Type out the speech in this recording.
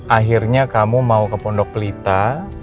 akhirnya kamu mau ke pondok pelita